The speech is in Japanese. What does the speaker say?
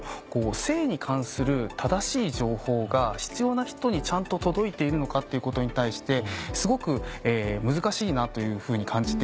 性に関する正しい情報が必要な人にちゃんと届いているのかっていうことに対してすごく難しいなというふうに感じていて。